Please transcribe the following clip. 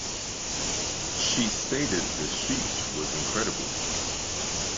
She stated The shoot was incredible.